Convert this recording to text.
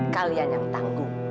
kalian yang tangguh